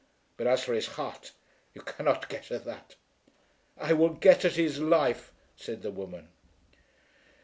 But as for his heart, you cannot get at that." "I will get at his life," said the woman.